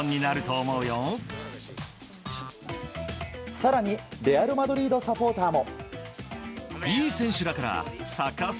更にレアル・マドリードサポーターも。